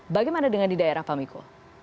bagaimana dengan di daerah pak miko